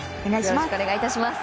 よろしくお願いします。